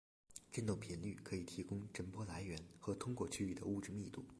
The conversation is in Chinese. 振动频率可以提供震波来源和通过区域的物质密度。